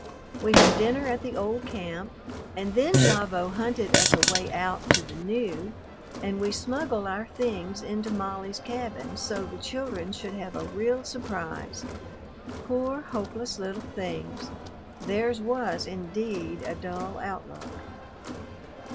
We had dinner at the old camp, and then Gavotte hunted us a way out to the new, and we smuggled our things into Molly's cabin so the children should have a real surprise. Poor, hopeless little things! Theirs was, indeed, a dull outlook.